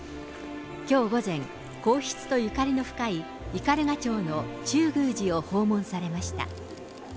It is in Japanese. きょう午前、皇室とゆかりの深い斑鳩町の中宮寺を訪問されました。